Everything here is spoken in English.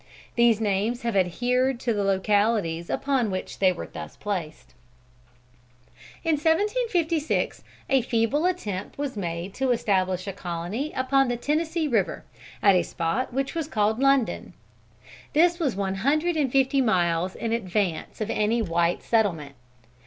These names have adhered to the localities upon which they were thus placed. In 1756 a feeble attempt was made to establish a colony upon the Tennessee river, at a spot which was called London. This was one hundred and fifty miles in advance of any white settlement.